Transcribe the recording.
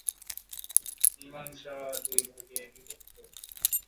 মীমাংসা দুইভাগে বিভক্ত।